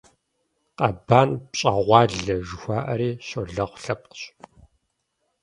«Къэбан пщӀэгъуалэ» жыхуаӀэри щолэхъу лъэпкъщ.